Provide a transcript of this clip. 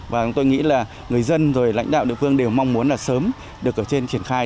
và chúng tôi nghĩ là người dân rồi lãnh đạo địa phương đều mong muốn là sớm được ở trên triển khai